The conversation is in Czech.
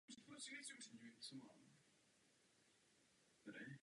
Jeho první manželkou byla Anežka ze Zbraslavi a Obřan.